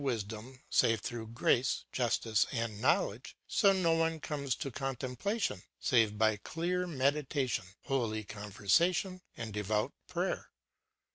295 wisdom save throngh grace, justice, and knowledge, so no one Ō¢Āconies to contemplation save b}' clear meditation, holy conversa tion, and devout prayer.